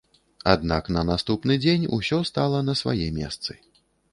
Аднак на наступны дзень усё стала на свае месцы.